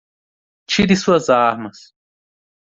Tire suas armas.